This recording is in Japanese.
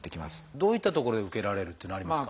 どういった所で受けられるっていうのはありますか？